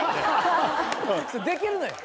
できるのよ。